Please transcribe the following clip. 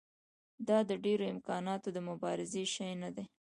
دا د ډېرو امکاناتو د مبارزې شی نه دی.